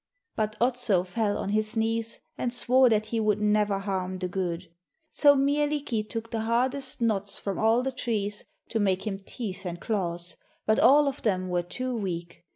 But Otso fell on his knees and swore that he would never harm the good. So Mielikki took the hardest knots from all the trees to make him teeth and claws, but all of them were too weak.